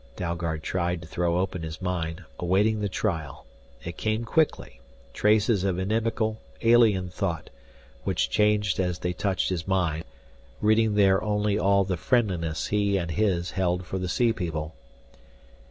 Dalgard tried to throw open his mind, awaiting the trial. It came quickly, traces of inimical, alien thought, which changed as they touched his mind, reading there only all the friendliness he and his held for the sea people.